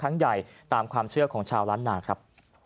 ครั้งใหญ่ตามความเชื่อของชาวนะครับ